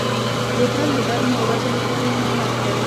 بوتل د ګرمو ورځو لپاره یو نعمت دی.